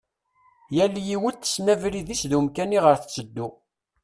Yal yiwet tessen abrid-is d umkan iɣer tettuddu.